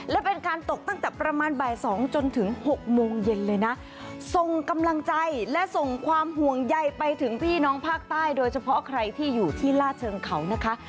และเป็นการตกตั้งแต่ประมาณบ่าย๒จนถึง๖โมงเย็นเลยนะส่งกำลังใจและส่งความห่วงใยไปถึงพี่น้องภาคใต้โดยเฉพาะใครที่อยู่ที่ลาดเชิงเขานะคะ